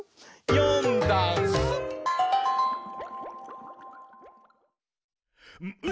「よんだんす」